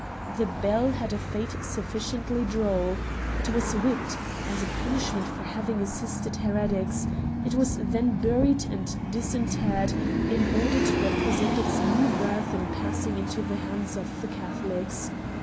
The bell had a fate sufficiently droll : it was whipped^ as a punishment for having assisted heretics ; it was then buried, and disinterred, in order to represent its new birth in passing into the hands of Catholics.